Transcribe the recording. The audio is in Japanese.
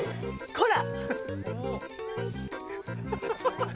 こら！